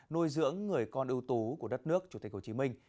nuôi dưỡng người con ưu tú của đất nước chủ tịch hồ chí minh